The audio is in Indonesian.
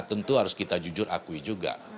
tentu harus kita jujur akui juga